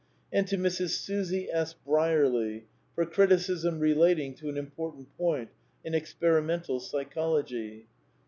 And to Mrs. Susie S. Brierley, for criticism relating to an important point in experimental psychology.